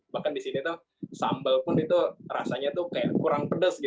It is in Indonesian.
bahkan di sini sambal pun rasanya kurang pedas